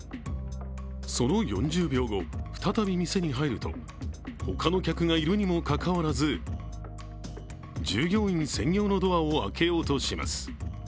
その４０秒後、再び店に入ると他の客がいるにもかかわらず、従業員専用のドアを開けようとします。